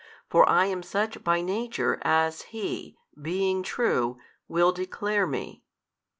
For I am Such by Nature, as He, being True, will declare Me.